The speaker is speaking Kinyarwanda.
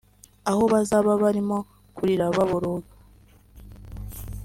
aho bazaba barimo kurira baboroga